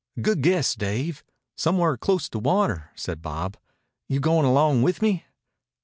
"Good guess, Dave. Somewheres close to water," said Bob. "You goin' along with me?"